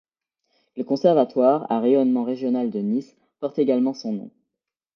Le conservatoire à rayonnement régional de Nice porte également son nom.